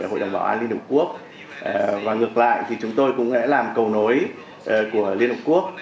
hội đồng bảo an liên hợp quốc và ngược lại thì chúng tôi cũng đã làm cầu nối của liên hợp quốc